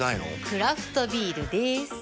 クラフトビールでーす。